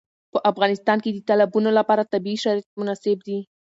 په افغانستان کې د تالابونو لپاره طبیعي شرایط مناسب دي.